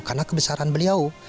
karena kebesaran beliau